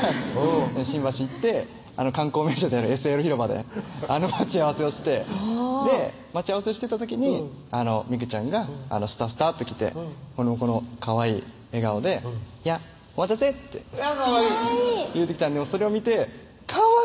新橋行って観光名所であるＳＬ広場で待ち合わせをして待ち合わせをしてた時にみくちゃんがスタスタと来てこのかわいい笑顔で「やっお待たせ」ってかわいい言うてきたんでそれを見てかわいい！